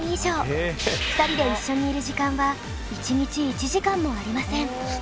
２人で一緒にいる時間は１日１時間もありません。